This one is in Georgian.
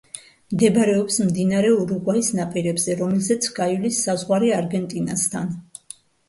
მდებარეობს მდინარე ურუგვაის ნაპირებზე, რომელზეც გაივლის საზღვარი არგენტინასთან.